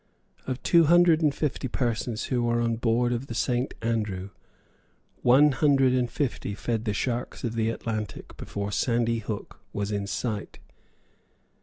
Of two hundred and fifty persons who were on board of the Saint Andrew, one hundred and fifty fed the sharks of the Atlantic before Sandy Hook was in sight.